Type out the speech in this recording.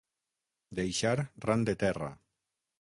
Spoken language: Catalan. Deixar ran de terra.